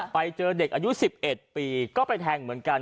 ไปเจอเด็กอายุ๑๑ปีก็ไปแทงเหมือนกัน